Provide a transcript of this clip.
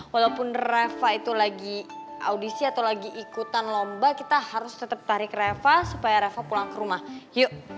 walaupun reva itu lagi audisi atau lagi ikutan lomba kita harus tetap tarik reva supaya reva pulang ke rumah yuk